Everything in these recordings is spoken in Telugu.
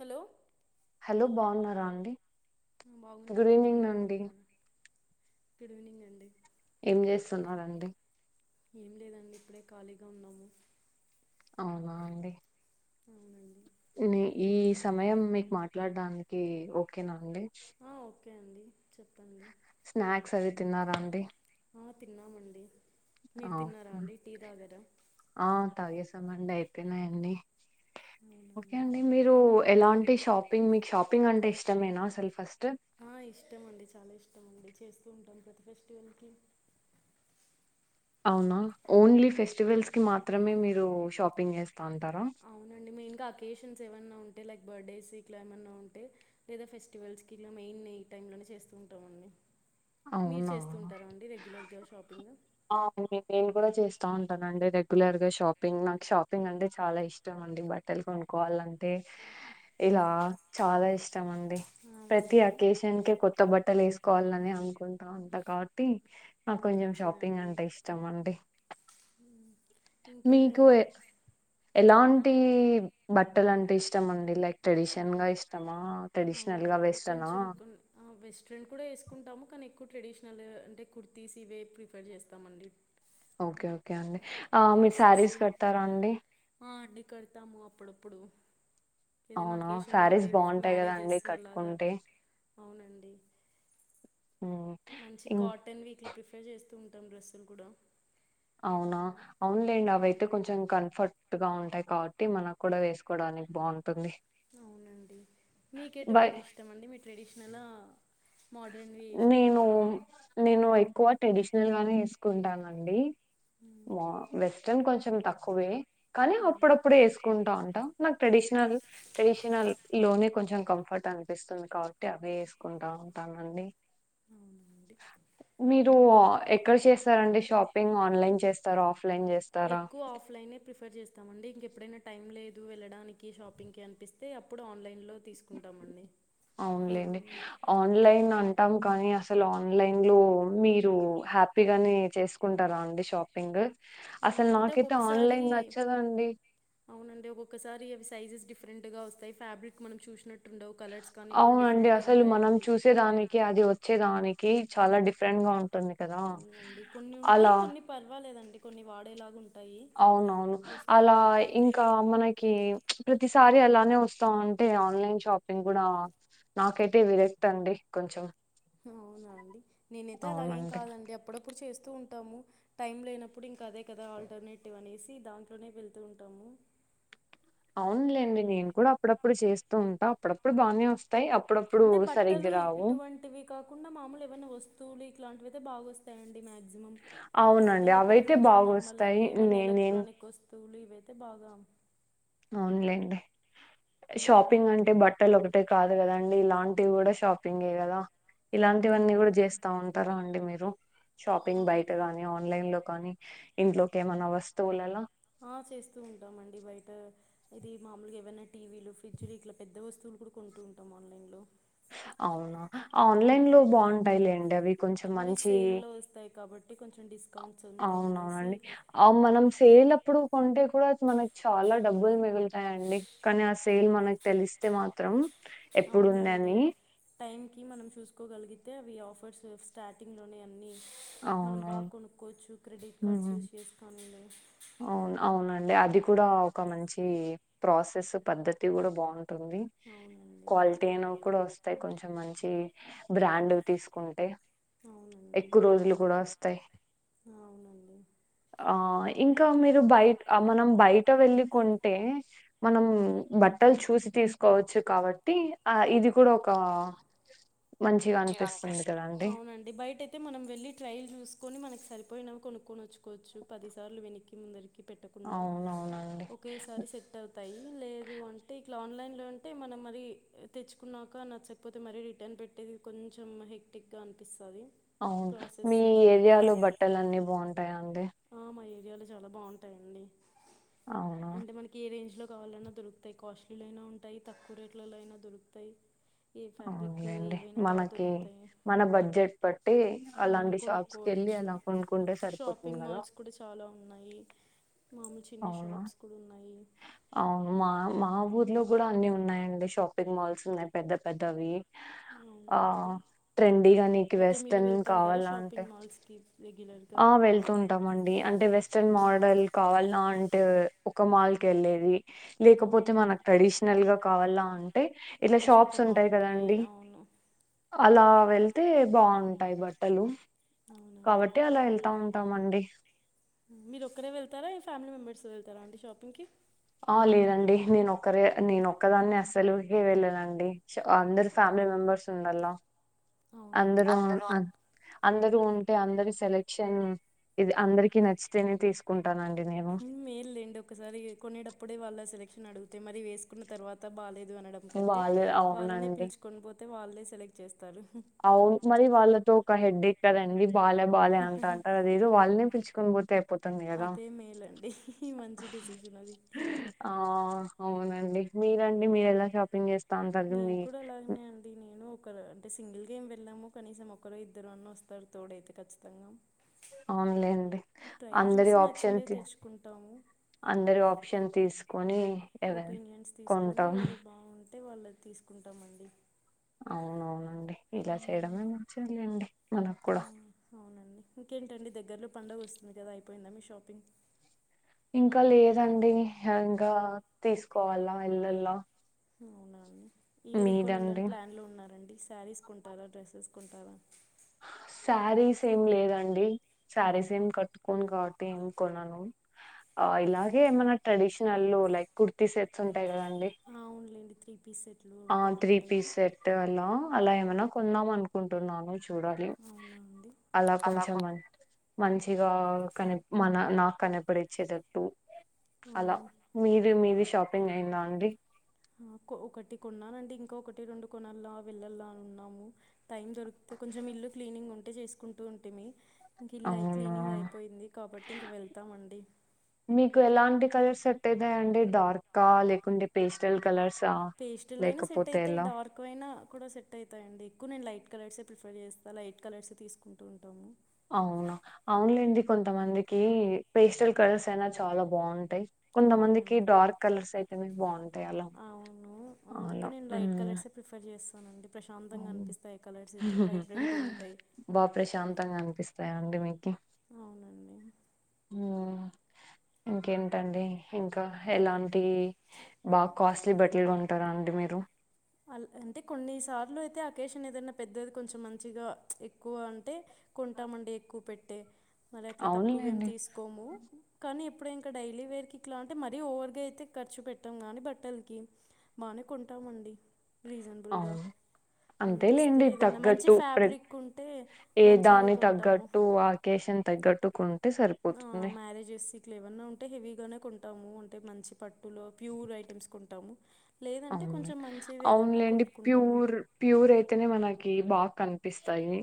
హలో హలో బాగున్నారా అండి గుడ్ బాగున్నామండి ఈవినింగ్ మీరు అండి బాగున్నారా గుడ్ ఈవనింగ్ అండి ఏం చేస్తున్నారండి ఏం లేదండి ఇప్పుడే ఖాళీగా ఉన్నాము అవునా అండి అవునండి ని ఈ మీరే సమయం మీకు మాట ట్లాడడానికి ఓకేనాండి, ఆ, ఓకే అండి చెప్పండి తిన్నరాండి ఆ తిన్నామండి ఆ మీరు తిన్నారా ఓకే. అండి టీ తాగార ఆ, తాగేసామండి అయిపోయినాయి అండి ఓకే అవునండి అండి మీరు ఎలాంటి షాపింగ్ మీకు షాపింగ్ అంటే ఇష్ట మేన అసలు ఫస్ట్ ఆ ఇష్టమండి చాలా ఇష్టమ అండి చేస్త ఉంటాం ఫెస్టివల్ కి అవునా ఓన్లీ ఫెస్టివల్స్ కి మాత్రమే మీరు షాపింగ్ చేస్త అవునండి మెయిన్ గా ఒకేషన్స్ ఏమన్నా ఉంటే లైక్ బర్త్డేస్ ఇట్లా ఏమన్నా ఉంటే లేదా ఫెస్టివల్స్ కి ఇలా మెయిన్ ఈ టైమ్ంలోనే చేస్తూ ఉంటామండి మీరు అవునా చేస్తూ ఉంటారా అండి రెగ్యులర్గా షాపింగ్ ఆ నేను కూడా చేస్తా ఇస్తా ఉంటానండి రెగ్యులర్ గా షాపింగ్ నాకు షాపింగ్ అంటే చాలా ఇష్టం అండి బట్టలు కొనుక్కవాలంటే ఇలా చాలా ఇష్టం ఇష్టమండి ప్రతి అవునండి అకేషన్ కి కొత్త బట్టలు ఎసు కొలని అను అనుకుంటా ఉంటా కాబా టి నాకు కొంచెం షాపింగ్ మంచిదండి అంటే ఇష్టం అండి మీకు ఇంకేంటండి ఎలాంటి బట్టలు అంటే ఇష్టం అండి లైక్ ట్రెడిషన్ గా ఇష్టమా ట్రెడిషనల్ గా అవునండి వెస్ట్ నా కొంచెం కొ వెస్ట్రన్ కూడా వేసుకుంటాము కానీ ఎక్కువ ట్రెడిషనల్ అంటే కుర్తీస్ ఇవే ప్రిఫర్ చేస్తామండి ఓకే ఓకే అండీ డ్రెస్సెస్ ఆ అండి కడతాము అప్పుడప్పుడు ఏదైనా అవునా అకేషన్ శారీస్ ఉంటే బాగుంటాయి కదా మ్యారేజెస్ అండి అలాగా కట్టుకుంటే అవునండి ఉమ్ మంచి ఇం కాటన్ ఇట్లా ప్రిఫర్ చేస్త ఉంటాం డ్రెస్సులు కూడా అవునా అవునులేండి అవియితే కొంచెం కంఫర్ట్ గా ఉంటాయి కాబట్టి మనకు కూడా వేసుకోవడానికి బాగుంటుంది అవునండి మీక ఎటువంటిది ఇష్టం అండి మీ ట్రెడిషనల్ ఆ నేను నేను ఎక్కువ ట్రెడిష్ నలుగానే ఏసుకుంటానండి మ్మ్. మా వెస్ కన్ కొంచెం తక్కువే కానీ అప్పుడప్పుడు ఏసుకుంటా ఉంటా నాకు ట్రెడిషనల్ ట్రెడిషనల్ లోనే కొంచెం కంఫర్ట్ అనిపిస్తుంది కావట్టి అవే ఏసుకుంటా ఉంటానండి అవునండి మీరు ఎక్కడ చేస్తారండి షాపింగ్ ఆన్లైన్ చేస్తారా ఆఫ్లైన్ జెస్తారా ఎక్కువ ఆఫ్లైనే ప్రిఫర్ చేస్తామండి ఇంకెప్పుడైనా టైం లేదు వెళ్ళడానికి షాపింగ్ కి అనిపిస్తే అప్పుడు ఆన్లైన్ లో అవునులేండి ఆన్లైన్ అం టాం కానీ అసలు ఆన్లైన్ లో మీరు హ్యాపీగానే చేసుకుంటారా అండి షాపింగూ ఆ అంటే ఒక్కోక్కసారి నచ్చదండి అవునండి ఒక్కొక్కసారి అది సైజెస్ డిఫరెంట్ గా వస్తాయ్ ఫబ్రిక్ మనం చూష్ణట్టు అవునండి అసలు మనం చూసేదానికి అది వచ్చేదాని కి చాల డిఫరెంట్ గా టుందికదా అవునండి కొన్ని ఉంటాయి అలా కొన్ని పర్వాలేదండి కొన్ని వాడేలాగా ఉం అవునవును అలా ఇంకా మనకి ప్చ్ ప్రతి తారి అలానే ఒస్తా వుంటే ఆన్లైన్ షాపింగ్ కూడా నాకైతే విరక్తి అండి కొంచం అవునా అండి నేనైతే అలాగేం కాదండి అప్పుడప్పుడు చేస్ తు ఉంటాము టైం లేనప్పుడు ఇంకా అదే కదా ఆల్టర్నేటివ్ అనేసి దాంట్లోనే వెళ్తూ ఉంటాము అవునులేండి నేను కూడా అప్పుడప్పుడు చేస్తూ ఉంటా అప్పుడప్పుడు బానే వస్ అంటే బట్టలు ఇటువంటివి కాకుండా మామూలు ఏవనా వస్తువులు ఇలాంటివితే బాగు వస్తాయండి మ్యా గ్సి మామ్ అవునండి బట్టలొకటి అవైతే కొంచం నమ్మలేము బాగొస్తాయి నలే నే ఏమన్న నేను ఎలట్రానిక్ వస్తువులు ఇవైతే బాగా అవున్లైండి షాపింగ్ అంటే బట్టలు ఒకటే కాదు కదండి ఇలాం ఇవి కూడా షాపింగ్ ఏ కదా ఇలాంటివన్నీ కూడా చేస్తా ఉంటారు అండి మీరు షాపింగ్ అవు బయట గాని ఆన్లైన్ లో కానీ ఇంట్లోకి ఏమన్నా వస్తువులలా ఆ చేస్తూ ఉంటామ అండి బయట, ఇది మామూలుగా ఏమైనా టీవీలు ఫ్రిడ్జ్లు ఇట్లా పెద్ద వస్తువులు కూడా కొంటూ ఉంటాం ఆన్లైన్లో. అవునా ఆన్లైన్ లో బాగుంటాయిలేండి అవి. కొంచెం అవి మంచి సేల్లో వస్తాయి కాబట్టి కొంచెం డిస్ అవునవునండి అ మనం సేలప్పుడు కొంటే కూడా అ మనకి చాలా డబ్బులు మిగులుతాయండి కానీ ఆ సేల్ మనకు తెలిస్తే మాత్రం అవునండి ఎప్పుడుందని టైం కి మనం చూసుకోగలిగి తే అవి ఆఫర్స్ స్టార్టింగ్ లోనే అన్ని మనం బాగా అవునవును. కొనుక్కోవచ్చు క్రెడిట్ కార్డ్స్ హుహు. యూస్ చేసుకోమనిందె అవును అవునండి అది కూడా ఒక మంచి ప్రాసెస్ పద్ధతి కూడా బాగుం టుంది అవునండి క్వాలిటీ అయిన కూడా వస్తు ఉంటాయి కొంచెం మంచి బ్రాండువి తీసుకుంటే అవునండి ఎక్కువ రోజులు కూడా వస్తాయి అవునండి ఆ ఇంకా మీరు బయ మనం బయట వెళ్ళ కొంటే మనం బట్టలు చూసి తీసుకోవచ్చు కాబట్టి ఆ ఇది కూడా ఒక మంచిగా చిగా అనిపిస్తుంది అనిపిస్తు, కదండి అవునండి బయట అయితే మనం వెళ్ళి ట్రైల్ చూసుకొని మనకి సరి పోయినవి కొనుక్కొని వచ్చుకోవచ్చు పదిసార్లు వేనక్కి ముందరికి. వెనక్కి పెట్టకుండా అవునవునండి ఒకేసారి సెట్ అవుతాయి. లేదు అంటే ఇట్లా ఆన్లైన్ లేదంటే అంటే మనం మరి తెచ్చుకున్నాక నచ్చకపోతే మరి రిటర్న్ పెట్టేది. కొంచెం హెక్టిక్ గా అనిపిస్తది. అవును మీ ఏరియాలో బట్టలు అన్ని బాగుంటాయా. అండి ఆ మా ఏ ఏరియాలో చాలా బాగుంటాయండి అవునా అంటే మనకి ఏ రేంజ్ లో కావాలన్నా దొరుకుతాయి కాస్ట్లీలో అయినా ఉంటాయి. తక్కువ రేట్లలో అయినా దొరుకుతాయి. ఏ ఫ్యాబ్రిక్ అవునులేండి ఏవైనా బాగా మనకి దొరుకుతాయి మన బడ్జెట్ బట్టి ఆ అలాంటి షాప్స్ కి వెళ్ళి కొనుక్కోవచ్చు అలా కొనుకుంటే సరిపోత్ షాపింగ్ మాల్స్ కూడా చాలా ఉన్నాయి. మామూలు చిన్న అవునా షాప్స్ కూడా ఉన్నాయి అవును మా మాఊరిలో కూడా అన్ని ఉన్నాయండి. షాపింగ్ మాల్స్ ఉన్నాయి. పెద్ద పెద్దవి. ఆ అవునా అండి ట్రెండీగా నీకు అయితే మీరు వెస్ట్రన్ వెళ్తుంటారా కావాల అంటే షాపింగ్ మాల్స్కి రెగ్యులర్గా ఆ వెళ్తూఉంటామండి అంటే వెస్ట్రన్ మోడల్ కావాల్నా అంటే ఒక మాల్ కి వెళ్ళేది లేకపోతే అవును మనకు ట్రెడిషనల్ గా కావాలంటే ఇట్లా ఒక చోట షాప్స్ ఉంటాయి కదా బాగుంటాయి అండి అవును అలా వెళ్తే బాగుంటాయి బట్టలు అవునండి కాబట్ వెళ్తా ఉంటామండి మీరు ఒక్కరే వెళ్తారా ఫ్యామిలీ మెంబెర్స్ వెళ్తారా అండి షాపింగ్ కి ఆ లేదండి నేనొక్కరే నేనొక్కదాన్ని అస్సలు హే వెళ్ళనండి అందరూ ఫ్యామిలీ మెంబెర్స్ ఉండల్లా అవునా అందరూ అండి అ అందరూ ఉంటే అందరి సెలక్షన్ ఇది అందరికి నచ్చితేనే తీసుకుం ఏం లేండి ఒకసారి కొనేటప్పుడే వాళ్ళ సెలక్షన్ అడుగుతే మరి వేసుకున్న తర్వాత బాలేేద్ అనడం కంటే వాళ్ళు వాళ్ళనే అవునండి పిలుచుకోని పో వాళ్ళే సెలెక్ట్ చేస్ అవును మరి వాళ్ళతో ఒక హెడ్డేక్ కాదండి, బాలే బాలే అంట అంటారు. అదేదో వాళ్ళనే పిలుచు నువ్వు పోతే అయిపోతుంది కదా అదే మేలండి మంచి డిసిషన్ అది ఆ అవునండి మీరండి మీరు ఎలా షాపింగ్ చేస్తా అంటారు నేను కూడా గేం వెళ్ళాము కనీసం ఒకరు ఇద్దరు అన్న వస్తారు తోడైతే ఖచ్చితంగా ఆన్లైన్ండి ట్రైల్ అందరి చూసి ఆప్షన్ నచ్చిండే తీ తెచ్చుకుంటాము అందరి ఆప్షన్ తీస్ కొనీ ఒపీనియన్స్ తీసుకొని వది బాగుంది అంటే వాళ్ళది తీసుకుంటామండి అవునవునండి ఇలా మ్మ్. చేయడమే మంచిలేండి మనకు ఆ, కూడా పండుగ వస్తుంది కదా అయిపోయిందా మీ షాపింగ్ ఇంకా లేదండింకా తీసుకోవాలా వెల్ళలా అవున అండి ఈ ఇరు కొనులోని ప్లాన్లు ఉన్నారండి శారీస్ కొంటారా డ్రెస్సెస్ కొంటారా శారీస్ ఏమి లేదండి శారీస్ ఏం కట్టుకోను కాబట్టి ఏం కొన్నాను అ ఇలాగే ఏమైనా ట్రెడిషనల్లు లైక్ కుర్తీ సెట్స్ ఉంటాయి కదండి టిడి త్ర ఆ త్రీ పీస్ సెట్ అల్ అలా నా కొందాం అనుకుంటున్నాను చూడాలి అవునా అండి అలా కొంచెం మంచిగా కని మన నాకు కనపడిచ్చేటట్టు ఆ, అలా మీది మీది షాపింగ్ అయిందా అండి ఒకటి కొన్నానుంటడి ఇంకా ఒకటి రెండు కొనాల వెళ్ళలా అని ఉన్నాము టైం దొరికితే కొంచెం ఇల్లు క్లీనింగ్ ఉంటే చేసుకుంటూ ఉంటేమి ఇం గ ఇల్లయి క్లీనింగ్ అవునా అయిపోయింది కాబట్టి ఇంక వెళ్తామండి మీకు ఎలాంటి కలర్స్ ఎట్టయితా అండి డార్క్ లేకుంటే పేస్టల్ కలర్స్ పేస్ట్లు అయినా సెట్ అయితే డార్క్ అయినా కూడా సెట్ అయితా అడి ఎక్కువ నేను లైట్ కలర్సే ప్రిఫర్ చేస్తా లైట్ కలర్స్ తీసుకుంటూ ఉంటాము అవునా అవునులేండి కొంతమందికి పేస్టల్ కర్స్ అయినా చాలా బాగుంటాయి కొంతమందికి అవునండి డార్క్ కలర్స్ అయితేనే బాగుంటాయి అలా అవును అందుకే అలా నేను లైట్ కలర్సే ప్రిఫర్ చేస్తానండి ప్రశాంతంగా అనిపిస్తాయి కలర్స్ అయితే వైబ్రెంట్గా ఉంటాయి బాగ ప్రశాంతంగా అనిపి స్త్ ర్యా అండి మీ అవునండి ఆ ఇంకేంటండి ఇంకా ఎలాంటి బాగా కాస్ట్లీ బట్టలు గోంటారా అండి మీరు అ అంటే కొన్నిసార్లు అయితే అకేషన్ ఏదైనా పెద్దది కొంచెం మంచిగా ఎక్కువ అంటే కొంటామండి ఎక్కువ పెట్టే మరి అయితే తక్కువ ఎమ్ అవునులేండి తీసుకోము కానీ ఇప్పుడు ఇంకా డైలీ వేర్ క ఇట్లా అంటే మరీ ఓవర్గా అయితే ఖర్చు పెట్టాం గానీ బట్టలకి బాగానే కొంటామండి రీజనబుల్గా అవును అంతే అనిపిస్తే లేండి ఏదన్నా మంచి తగ్గట్టు ప్ర ఫ్యాబ్రిక్ ఉంటే ఏ మంచిగా దాని కొంటాము తగ్గట్టు ఆకేషన్ తగ్గట్టుకుంటే సరిపో పోతుంది సికేలేవన్ ఉంటే హెవీగానే కొంటాము అంటే మంచి పట్టులో ప్యూర్ ఐటమ్స్ కొంటాము లేదంటే అవును కొంచెం మంచివి ఏదన్నా అవునులేండి కొనుక్కుంటాము ప్యూర్ ప్యూర్ అయితేనే మనకి బాగా కనిపిస్తాయి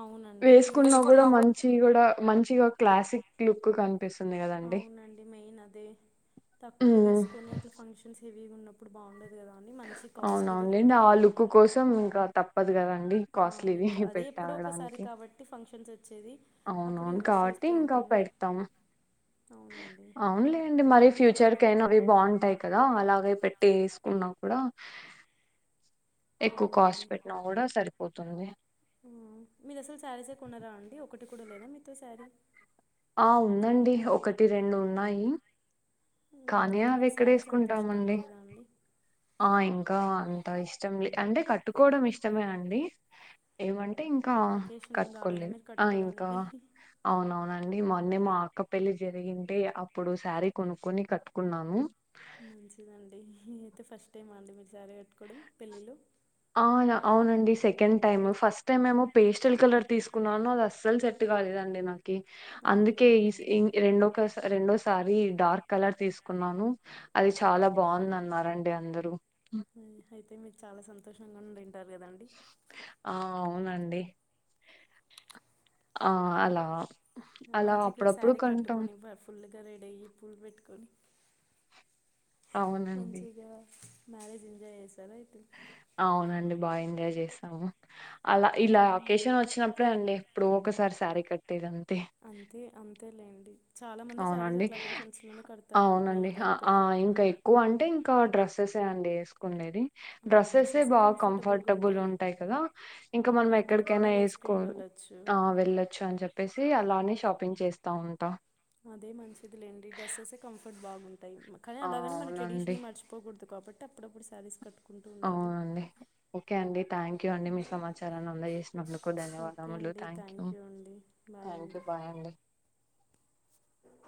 అవునండి ప్యూర్ వేసుకున్నా కూడా అయితే మంచి కూడా మంచిగా క్లాసిక్ లుక్ కంట్ అవునండి మెయిన్ అదే తక్కువ ఉమ్ తీసుకొని అసలు ఫంక్షన్స్ వి ఉన్నప్పుడు బాగుండెది అవును అవును లేండి ఆ లుప్పు కోసం ఇంకా తప్ప పదిగా గ అడి అవును కాస్ట్లీవి ఇంకా అదే ఎప్పుడో ఒకసారి పెట్టవడానికి కాబట్టి ఫంక్షన్స్ వచ్చేది అప్పుడు అవునవును ఇన్వెస్ట్ కాబట్టి చేస్తూ ఇంకా ఉంటాము పెడతాం అవునండి అవునులేండి మరి ఫ్యూచర్ క అయినా అవి బాగుంటాయి కదా అలాగే పెట్ వెస్ వేస్ కున్నా కూడా ఎక్కువ కాస్ట్ అవునండి పెట్టినా కూడా సరి పోతుంది ఆ, కట్టు కూడా లేదా మీతో శ్యారీ ఆ ఉందండి ఒకటి రెండు ఉన్నాయి కానీ అయితే అవి మీకు ఎక్కడ శారీస్ అంత ఇష్టం వేసుకుంటామండి లేదా అండి ఆ ఇంకా అంతా ఇష్టం ఇష్టం లే అంటే కట్టుకోవడం ఇష్టమే అండి ఏమంటే అంటే ఇంకా అకేషన్ ఏం రాలేదా కట్టుకోలేదు మీరు ఆ ఇంకా కట్టుకోవడానికి అవును అవున అం అండి మొన్నే మా అక్క పెళ్లిి జరిగింది అప్పుడు శ్యారీ కొనుక్కొని కట్టుకున్నాము మీ అయితే ఫస్ట్ టైం ఆండి మీరు శ్వారి కట్టుకోవడం పెళ్ళిళ్ళు ఆ అవునండి సెకండ్ టైమ్ ఫస్ట్ టైమ్ ఏమో పేస్టల్ కలర్ తీసుకున్నాను అది అస్సలు సెట్ కాలేదండి నాకు అయ్యో అందుకే ఈ అవునా రెండో ఒకసా రెండో స ఒకసారి డార్క్ కలర్ తీసుకున్నాను అది చాలా బాఉంది అన్నారండి అందరుూ అయితే మ చాలా సంతోషంగా ఉండడి అంటారు కదండి ఆ! అవునండి ఆ అలా అలా మంచిగా అప్పుడప్పుడు శారీ కొంటాం. కట్టుకొని ఫుల్గా ర నయ్యి పూలు పెట్టుకొని అవునండి. మంచిగా మ్యారేజ్ ఎంజాయ్ చేసార? అవునండి బా ఎంజాయ్ చేసము అలా ఇలా అకేషన్ వచ్చినప్పుడే అండి ఇప్పుడు ఒకసారి శారీ కట్టేదాన్ అంతే అంతేలేండి చాలామంది శారీస్ అవునండి అట్లా అకేషన్స్లోనే కడతారు అవునండి మెయిన్గా హా ఆ ఇప్పట్లో ఇంకా ఎక్కువ అంటే ఇంకా డ్రస్ ఎసేఅండి వేసుకునేది డ్రెస్సెసే బాగా కంఫర్టబుల్ ఉంటాయి కదా ఇంకా ఆ, మనం ఎక్కడికన్నా ఎక్కడికైనా వేసుకో వేసుకొని వెళ్ళొచ్చు ఆ వెళ్ళొచ్చు అని చెప్పేసి అలా షాపింగ్ చేస్తా ఉంటా అదే మంచిది లేండి డ్రెస్సెసే కంఫర్ట్ బాగుంటంది అ కానీ ఆ! అలాగనే మన ట్రెడిషన్ అవునండి. ని మర్చిపోకూడదు కాట్టి అప్పుడప్డు సారీస్ కట్టు అవునండి ఓకే అండి థ్యాంక్ యూ అండి మీ సమాచారాన్ని అందజేసినందుకు ఓకే ధన్యవాదములు అండి థ్యాంక్ యూ అండి బాయ్ థ్యాంక్ యూ బాయ్ అండి అ